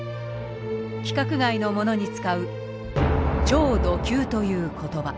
規格外のものに使う「超ド級」という言葉。